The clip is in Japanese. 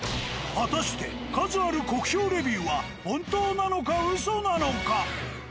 果たして数ある酷評レビューは本当なのかウソなのか。